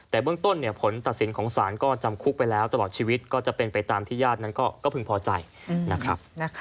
แต่เบื้องต้นผลตัดสินของศาลก็จำคุกไปแล้วตลอดชีวิตก็จะเป็นไปตามที่ญาตินั้นก็พึงพอใจนะครับ